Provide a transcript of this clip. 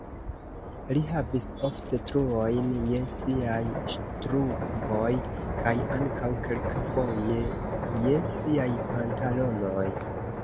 Li havis ofte truojn je siaj ŝtrumpoj kaj ankaŭ kelkafoje je siaj pantalonoj.